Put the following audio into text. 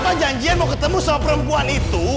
emang janjian mau ketemu sama perempuan itu